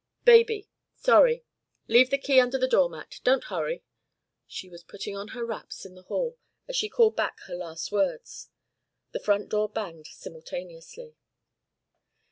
"Baby. Sorry. Leave the key under the door mat. Don't hurry." She was putting on her wraps in the hall as she called back her last words. The front door banged simultaneously.